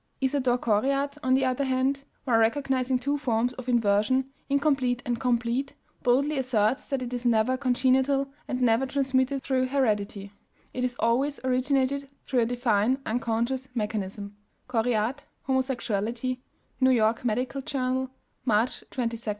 Isador Coriat, on the other hand, while recognizing two forms of inversion, incomplete and complete, boldly asserts that it is never congenital and never transmitted through heredity; it is always "originated through a definite unconscious mechanism" (Coriat, "Homosexuality," New York Medical Journal, March 22, 1913).